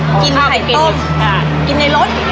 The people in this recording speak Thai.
กินไข่ต้มกินในรถ